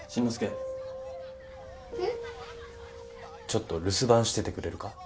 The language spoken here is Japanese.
ちょっと留守番しててくれるか？